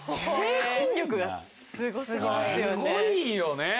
すごいよね。